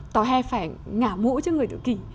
tòa he phải ngả mũ cho người tự kỷ